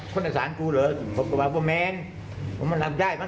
พอดีว่ามีคนเขามาห่ามก็เลยแยกย่ายไป